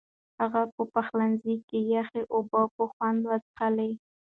هغه په پخلنځي کې یخې اوبه په خوند وڅښلې.